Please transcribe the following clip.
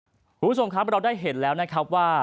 คุณผู้ชมครับเราได้เห็นแล้วนะครับว่า